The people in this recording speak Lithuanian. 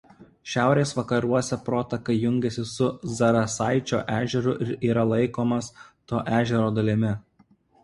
Šiaurės vakaruose protaka jungiasi su Zarasaičio ežeru ir yra laikomas to ežero dalimi.